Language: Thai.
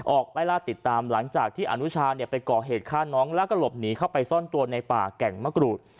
ไล่ล่าติดตามหลังจากที่อนุชาไปก่อเหตุฆ่าน้องแล้วก็หลบหนีเข้าไปซ่อนตัวในป่าแก่งมะกรูด